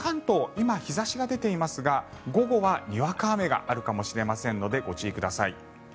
今、日差しが出ていますが午後は、にわか雨があるかもしれませんのでご注意ください。